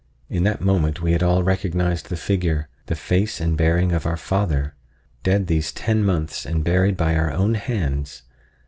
In that moment we had all recognized the figure, the face and bearing of our father—dead these ten months and buried by our own hands!